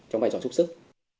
trong vai trò xúc xích